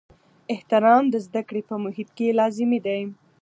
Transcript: احترام د زده کړې په محیط کې لازمي دی.